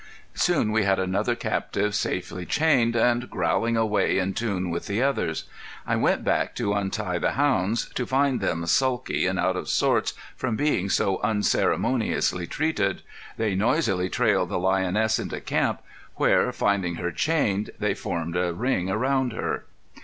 Soon we had another captive safely chained and growling away in tune with the others. I went back to untie the hounds, to find them sulky and out of sorts from being so unceremoniously treated. They noisily trailed the lioness into camp, where, finding her chained, they formed a ring around her.